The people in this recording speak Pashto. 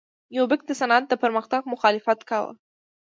یوبیکو د صنعت د پرمختګ مخالفت کاوه.